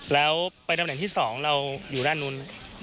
แล้วไปตำแหน่งที่๒เราอยู่ด้านนู้น